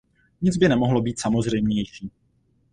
Nic by nemohlo být samozřejmější.